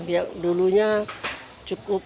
yang dulunya cukup